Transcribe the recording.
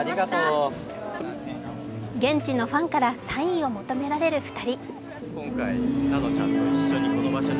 現地のファンからサインを求められる２人。